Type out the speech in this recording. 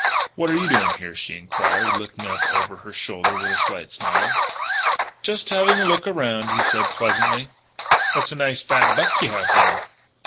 "What are you doing here?" she enquired, looking up over her shoulder with a slight smile. "Just having a look around," he said pleasantly. "That's a nice fat buck you have there."